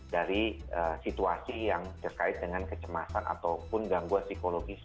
dari situasi yang terkait dengan kecemasan ataupun gangguan psikologis